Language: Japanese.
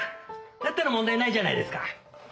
だったら問題ないじゃないですか。